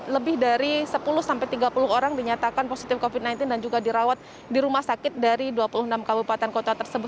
lebih dari sepuluh tiga puluh orang dinyatakan positif covid sembilan belas dan juga dirawat di rumah sakit dari dua puluh enam kabupaten kota tersebut